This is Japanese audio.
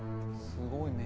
すごいね。